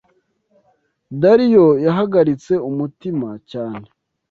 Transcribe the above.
Dariyo yahagaritse umutima cyane